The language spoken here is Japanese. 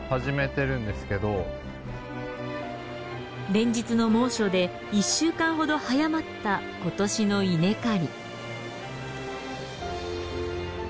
連日の猛暑で１週間ほど早まった今年の稲刈り。